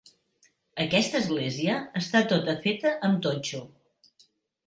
Aquesta església està tota feta amb totxo.